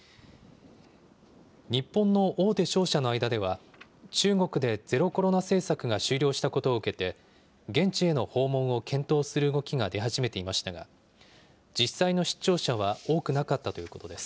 日本の大手商社の間では、中国でゼロコロナ政策が終了したことを受けて、現地への訪問を検討する動きが出始めていましたが、実際の出張者は多くなかったということです。